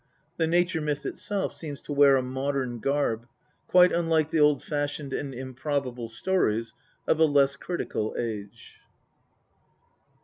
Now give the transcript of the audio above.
The nature myth itself seems to wear a modern garb, quite unlike the old fashioned and improbable stories of a less critical age.